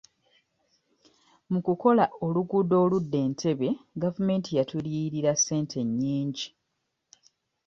Mu kukola oluguudo olwo oludda Entebbe gavumenti yatuliyirira ssente nnyingi.